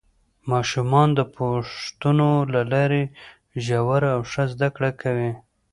ماشومان د پوښتنو له لارې ژوره او ښه زده کړه کوي